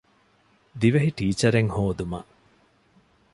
ދިވެހި ޓީޗަރެއް ހޯދުމަށް